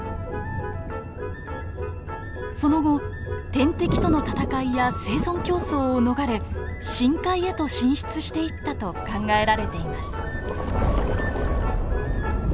その後天敵との戦いや生存競争を逃れ深海へと進出していったと考えられています。